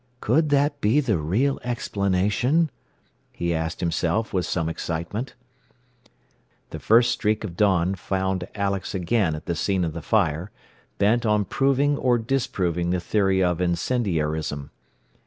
"Could that be the real explanation?" he asked himself with some excitement. The first streak of dawn found Alex again at the scene of the fire, bent on proving or disproving the theory of incendiarism.